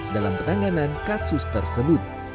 dalam penanganan kasus tersebut